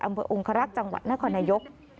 อำเภอองค์คลรักษณ์จังหวัดนครนายก